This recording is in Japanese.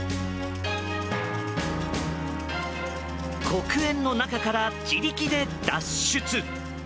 黒煙の中から自力で脱出。